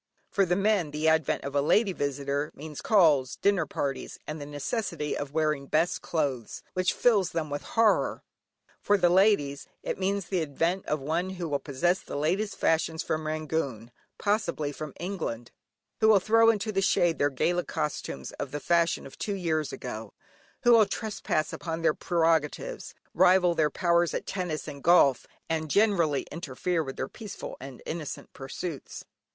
For the men, the advent of a lady visitor means calls, dinner parties, and the necessity of wearing best clothes, which fills them with horror. For the ladies, it means the advent of one who will possess the latest fashions from Rangoon (possibly from England), who will throw into the shade their gala costumes of the fashion of two years ago, who will trespass upon their prerogatives, rival their powers at tennis and golf, and generally interfere with their peaceful and innocent pursuits.